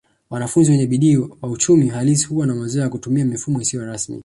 Wanafunzi wenye bidii wa uchumi halisi huwa na mazoea ya kutumia mifumo isiyo rasmi